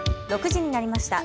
６時になりました。